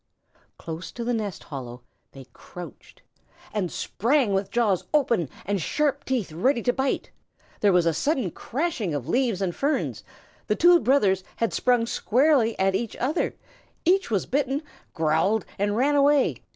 Close to the nest hollow they crouched and sprang with jaws open and sharp teeth ready to bite. There was a sudden crashing of leaves and ferns. The two brothers had sprung squarely at each other, each was bitten, growled, and ran away.